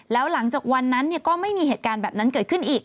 แล้วหลังจากวันนั้นก็ไม่มีเหตุการณ์แบบนั้นเกิดขึ้นอีก